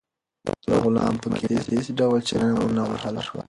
د غلام په قیمت کې هیڅ ډول چنه ونه وهل شوه.